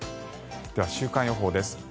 では週間予報です。